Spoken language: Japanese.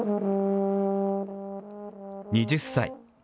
２０歳。